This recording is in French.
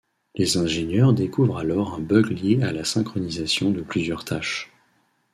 Les ingénieurs découvrent alors un bug lié à la synchronisation de plusieurs tâches.